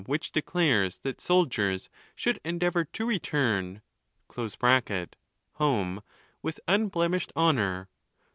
which declares that soldiers should endeavour to return] home with unblemished honour.